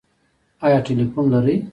ایا ټیلیفون لرئ؟